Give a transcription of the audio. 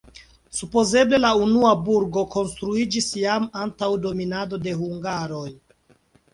Supozeble la unua burgo konstruiĝis jam antaŭ dominado de hungaroj.